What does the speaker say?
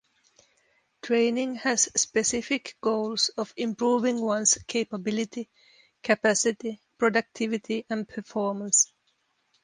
Training has specific goals of improving one's capability, capacity, productivity and performance.